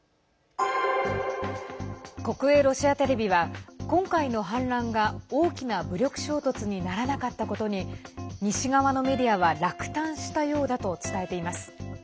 国営ロシアテレビは今回の反乱が大きな武力衝突にならなかったことに西側のメディアは落胆したようだと伝えています。